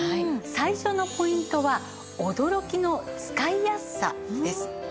最初のポイントは「驚きの使いやすさ」です。